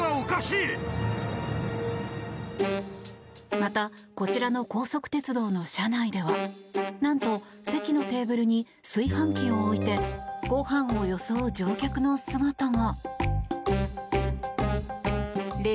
またこちらの高速鉄道の車内ではなんと席のテーブルに炊飯器を置いてご飯をよそう乗客の姿が。